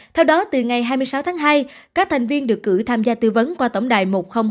theo đó từ ngày hai mươi sáu tháng hai các thành viên được cử tham gia tư vấn qua tổng đài một nghìn hai mươi hai